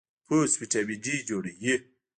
پوست وټامین ډي جوړوي.